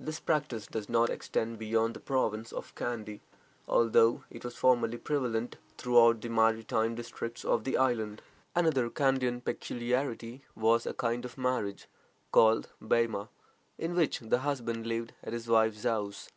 This practice does not extend beyond the province of Kandy, although it was formerly prevalent throughout the maritime districts of the island. Another Kandian peculiarity was a kind of marriage called "Bema," in which the husband lived at his wife's house.